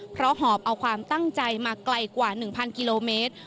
เพราะหอบเอาความตั้งใจมาไกลกว่า๑๐๐กิโลเมตร